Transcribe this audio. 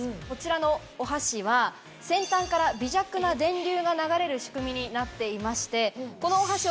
こちらのお箸は先端から微弱な電流が流れる仕組みになっていまして。